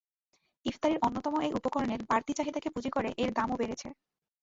ইফতারির অন্যতম এই উপকরণের বাড়তি চাহিদাকে পুঁজি করে এর দামও বেড়েছে।